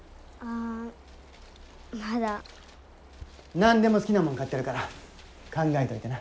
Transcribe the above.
何でも好きなもん買ってやるから考えといてな。